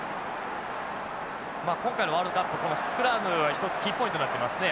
今回のワールドカップこのスクラムは一つキーポイントになってますね。